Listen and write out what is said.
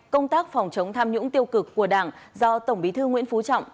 công tác phòng chống tham nhũng tiêu cực của đảng do tổng bí thư nguyễn phú trọng